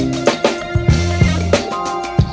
nggak ada yang denger